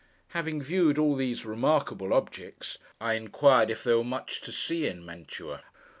Having viewed all these remarkable objects, I inquired if there were much to see in Mantua.